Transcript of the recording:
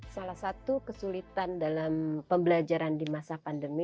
salah satu kesulitan dalam pembelajaran di masa pandemi